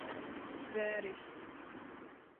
V. Rys.